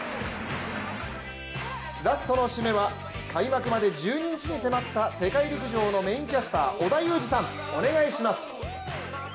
ラストの締めは、開幕まで１２日に迫った世界陸上のメインキャスター、織田裕二さん、お願いします！